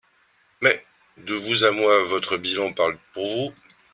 Mais, de vous à moi, votre bilan parle pour vous.